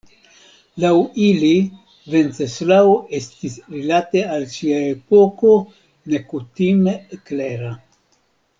Laŭ ili Venceslao estis rilate al sia epoko nekutime klera.